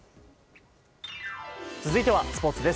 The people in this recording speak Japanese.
続いてはスポーツです。